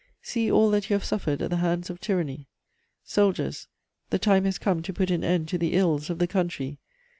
See all that you have suffered at the hands of tyranny. Soldiers, the time has come to put an end to the ills of the country.